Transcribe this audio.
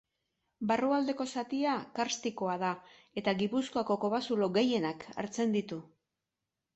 Barrualdeko zatia karstikoa da, eta Gipuzkoako kobazulo gehienak hartzen ditu.